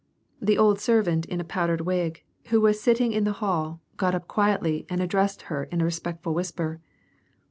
The old servant in a powdered wig, who was sitting in the hall, got up quietly and addressed her in a respectful whisper.